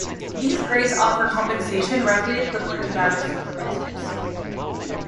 These grades offer compensation roughly equivalent to that of supervisors.